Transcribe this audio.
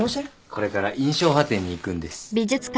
これから『印象派展』に行くんです。